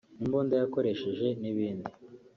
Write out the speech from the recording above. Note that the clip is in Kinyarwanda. imbunda yakoresheje n’ibindi…)